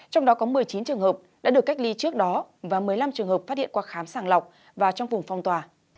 trong đó có một mươi chín trường hợp đã được cách ly trước đó và một mươi năm trường hợp phát hiện qua khám sàng lọc và trong vùng phong tỏa